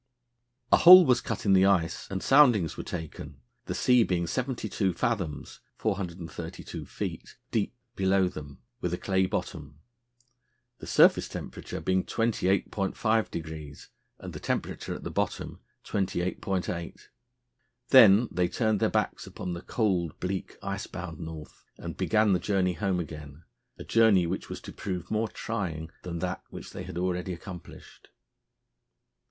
A hole was cut in the ice and soundings were taken, the sea being seventy two fathoms (432 feet) deep below them, with a clay bottom, the surface temperature being 28.5° and the temperature at the bottom 28.8°. Then they turned their backs upon the cold, bleak, ice bound North, and began the journey home again, a journey which was to prove more trying than that which they had already accomplished.